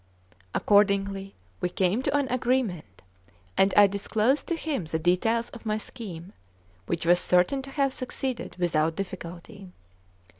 Accordingly we came to an agreement, and I disclosed to him the details of my scheme, which was certain to have succeeded without difficulty.